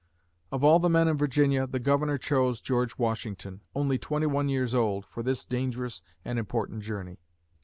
Of all the men in Virginia, the Governor chose George Washington, only twenty one years old, for this dangerous and important journey!